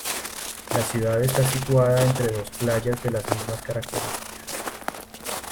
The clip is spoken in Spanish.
La ciudad está situada entre dos playas de las mismas características.